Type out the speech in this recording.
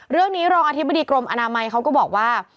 เรื่องนี้รองอธิบดีกรมอนามัยเขาก็บอกว่า